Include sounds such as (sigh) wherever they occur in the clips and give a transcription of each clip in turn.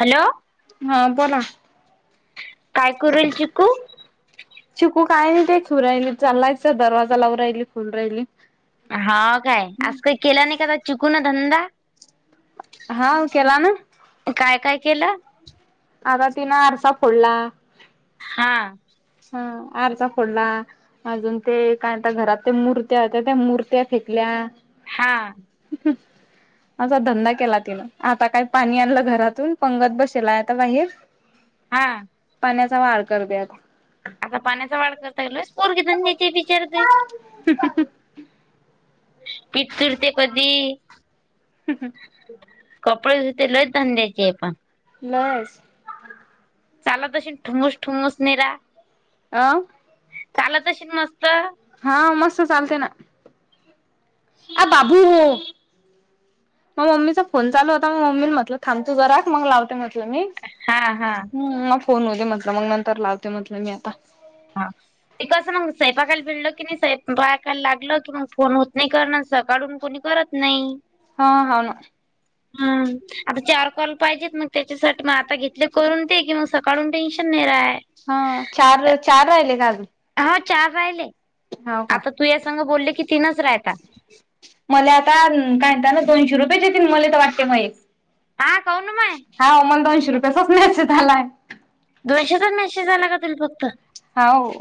Hello. हां बोला काय करूल चिकू? चिकू काय नाही ते खेळू राहिले चाललायच दरवाजा लावू राहिली खेळून राहिली हाव काय आज कायी केला नायी का चिकु न धंदा? हाव केला ना! काय काय केलं? आता तिनं आरसा फोडला. हां. हां आरसा फोडला. अजून ते काय त्या घरात ते मूर्त्या होत्या त्या मूर्त्या फेकल्या. हां. असा धंदा केला तिनं आता काय पाणी आणलं घरातून पंगत बसेल आता बाहेर. हां. पाण्याचा वाढ करत्यात. आता पाण्याचा वाढ करतोय पोरगी धंदाची आहे बिचारे ताई. (inaudible) पिठ सुरते कधी (inaudible) कपडे धुते लय धंद्याची आहे पण. लय आहेस. चालत अशी ठुमस ठुमस मीरा. आं. चालत अशील मस्त. हां मस्त चालते ना. आप बाबू हो. मग मम्मीचा फोन चालू होता मग मम्मीला म्हटलं थांब तू जरा मग लावते म्हटलं मी. हां हां. हम्म हा फोन होऊदे म्हटलं मग नंतर लावते म्हटलं मी आता. हां. ते कसं ना स्वायंपाकायला भिडल की नाही स्वायंपाकाले लागलं की मग फोन होत नाही करण सकाळून कोणी करत नाही. हां हाव ना. (inaudible) हम्म आता चार कॉल पाहिजेत मग त्याच्यासाठी मग आता घेतले करून ते की मग सकाळून टेन्शन नाही राय. हां चारच चार राहिलेत अजून? हां चार राहिले. हाव का? तूया संग बोलले की तीनच रायेता. मला आता काढताना दोनशे रुपयेच येतील मला तर वाटते मये. हां कौनू माये? हाव मला दोनशे रुपयचाच मेसेज आलाय. दोनशेचाच मेसेज आला का तुला फक्त? हाव.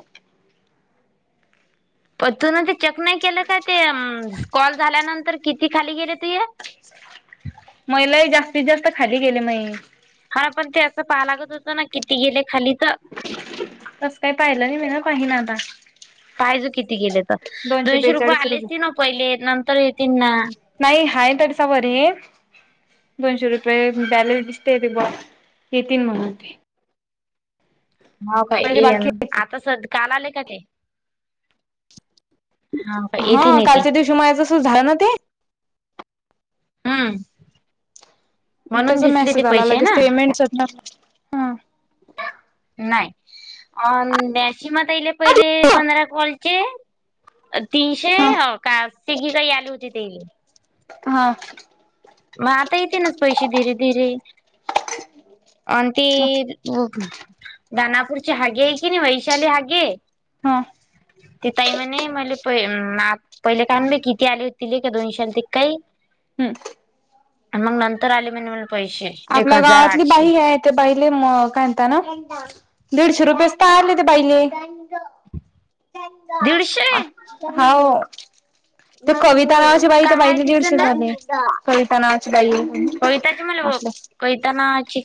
पण तूने ते चेक नाही केलं का ते अ? कॉल झाल्यानंतर किती खाली गेले तूये? माये लई जास्तीत जास्त खाली गेले माये. हां पण ते असं पहा लागत होतं ना किती गेले खाली तर. तस काही पाहिलं नाही मी न पाहीन आता. पाहाय जो किती गेले तर दोनशे रुपये आले असतील ना पहिले नंतर येतील ना. नाही आहे तडीसा वर ये. दोनशे रुपये बॅलन्स दिसते तेे ब येतील म्हणून ते. हो काय पहिले येन बाकी आहेत ते आता स काल आले का ते? हा का हां येतील येतील कालच्या दिवशी माझं तसंच झालं ना ते. हम्म. म्हणून त्याचा दिसले ते मेसेज आला पैसे लगेच ना पेमेंट च असणार हां. नाही, अ (unintelligible) पहिले हा पंधरा कॉलचे तीनशे हा का ती जी काही आली होती ती हा. मग आता येतील ना पैशे धीरे धीरे. अन् ती दानापूरची हागे आहे की नाही, वैशाली हागे हा. ती तई म्हणे मले प पहिले कान ब किती आले हो ते का दोनशे आलते काही हम्म मग नंतर आले म्हणे म पैशे एक आपल्या हजार गावातली आठशे. बाई आहे ते बाईले म काय म्हणता ना, दीडशे रुपयेच त आले ते बाईले. दीडशे? हाव. ते कविता नावाच्या बाई त्या काय बाईला तिचं दीडशेच ना आले. कविता नावाची बाई आहे कविताची मला आपलं कविता नावाची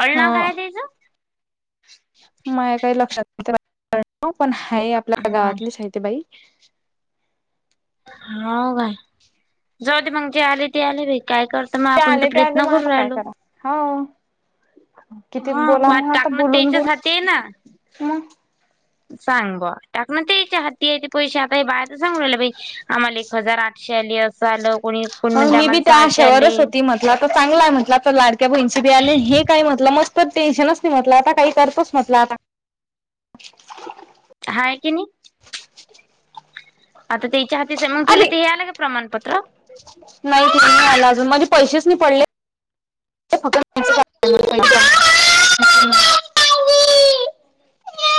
अडनाव हा. काय त्याचं माया काही लक्षात नाही, पण हाय आपल्या हा गावातलीच हाय ती बाई. हाव काय? जाऊ दे मग, जे आले ते आले बाई. काय करता मग ते आपण तर आले ते आले प्रयत्न मग करू आता काय राहिलो. करा हो किती हा बोला म मग आता टाकणं बोलून बोल त्याच्यासाठी आहे ना. मग सांग बॉ टाकन त्यांच्या हाती आहे ते पैसे. आता हे बाया त सांगून राहिल्या बाई. आम्हाला एक हजार आठशे आली असं आलं. कोणी कोणी मग म्हणते मी बी आम्हाला त्या सहाशे आले आशयावरच होती म्हटलं तर, चांगला आहे म्हटलं तर लाडक्या बहीणीचे बी आले. हे काही म्हटलं मग तर टेनशनच नाही म्हटलं. आता काही करतोच म्हटलं आता. (inaudible) हाय की ने. आता ते त्यांच्या हाती मग तुले अरे ते हे आला का प्रमाणपत्र? नाही ती नाही आला अजून, माझे पैसेच नाही पडले. फक्त (unintelligible)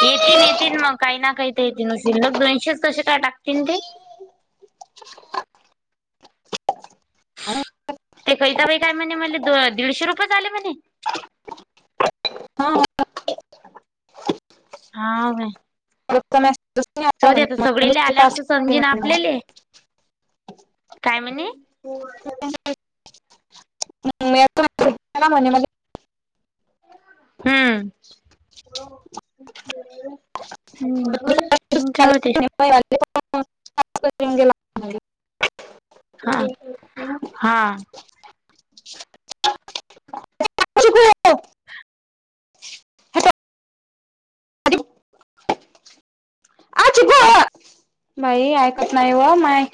येतील येतील मग काही ना काही तर येतील. नुसते शिल्लक दोनशेच कसे काय टाकतील ते? ते कविता बाई काय म्हणे. मला दीडशे रुपयेच आले म्हणे? हाव का? (unintelligible) जाऊदे आता. सगडेला आल्यावर त समजीन आपल्याले काय म्हणे? (unintelligible) मी म्हणे हम्म. हम्म, मग काय होते? (unintelligible) हां हां. बाई ऐकत नाही व माय